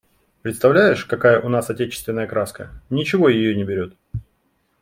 Представляешь, какая у нас отечественная краска, ничего ее не берет.